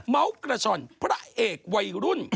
กระช่อนพระเอกวัยรุ่น